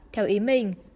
theo ý mình